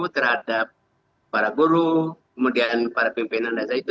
terhadap para guru kemudian para pimpinan al zaitun